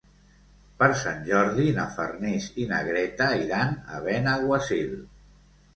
Per Sant Jordi na Farners i na Greta iran a Benaguasil.